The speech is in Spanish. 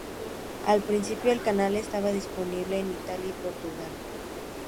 Al principio el canal estaba disponible en Italia y Portugal.